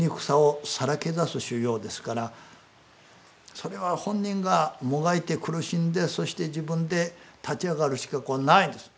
それは本人がもがいて苦しんでそして自分で立ち上がるしかないんです。